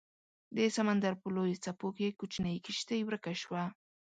د سمندر په لویو څپو کې کوچنۍ کیشتي ورکه شوه